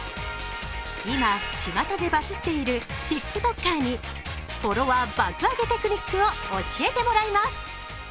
今、ちまたでバズっているティックトッカーにフォロワー爆上げテクニックを教えてもらいます。